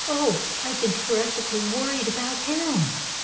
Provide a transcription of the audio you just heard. "Oh, I've been terrifikly worried about him."